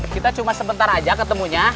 kita cuma sebentar aja ketemunya